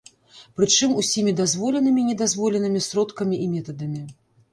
Прычым усімі дазволенымі і недазволенымі сродкамі і метадамі.